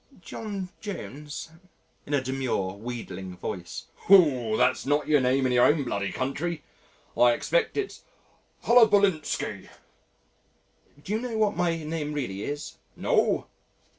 "John Jones," in a demure wheedling voice. "Hoo that's not your name in your own bloody country I expect it's Hullabullinsky." "Do you know what my name really is?" "No."